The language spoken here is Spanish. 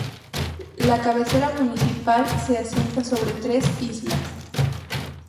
La cabecera municipal se asienta sobre tres islas.